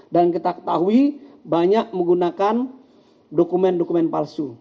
dan kita ketahui banyak menggunakan dokumen dokumen palsu